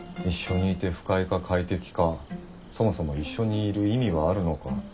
一緒にいて不快か快適かそもそも一緒にいる意味はあるのか。